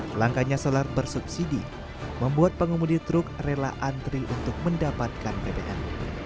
pelangkanya solar bersubsidi membuat pengemudi truk rela antri untuk mendapatkan bbm